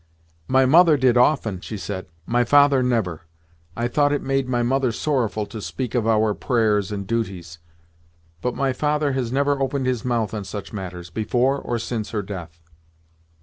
"My mother did often," she said, "my father never. I thought it made my mother sorrowful to speak of our prayers and duties, but my father has never opened his mouth on such matters, before or since her death."